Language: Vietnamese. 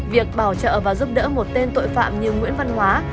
việc bảo trợ và giúp đỡ một tên tội phạm như nguyễn văn hóa